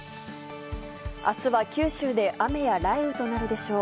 あすは九州で雨や雷雨となるでしょう。